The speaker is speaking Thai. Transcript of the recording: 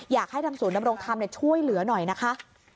อยากให้ทางศูนย์ดำรงธรรมช่วยเหลือหน่อยนะคะ